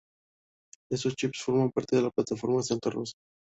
Estos chips forman parte de la plataforma Santa Rosa.